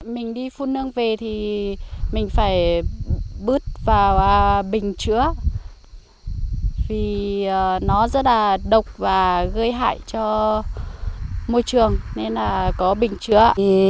mình đi phun nương về thì mình phải bước vào bình chứa vì nó rất là độc và gây hại cho môi trường nên là có bình chứa